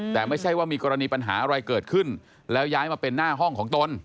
แต่ไม่ใช่ว่ามีกรณีปัญหาอะไรเกิดขึ้นแล้วย้ายมาเป็นหน้าห้องของตน